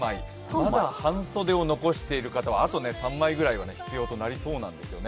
まだ半袖を残している方は、あと３枚ぐらいは必要となりそうなんですね。